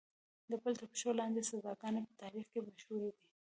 د پیل تر پښو لاندې سزاګانې په تاریخ کې مشهورې دي.